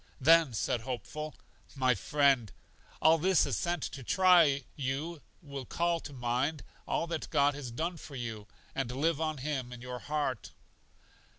Then said Hopeful: My friend, all this is sent to try if you will call to mind all that God has done for you, and live on Him in your heart.